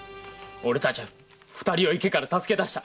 俺たちゃ二人を池から助け出した。